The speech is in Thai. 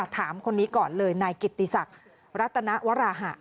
ถามคนนี้ก่อนเลยนายกิตติศักดิ์รัตนวราหะ